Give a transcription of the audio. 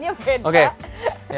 namun pasti kondukannya beda